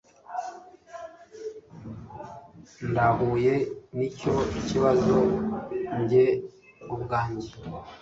Ndahuye nicyo kibazo njye ubwanjye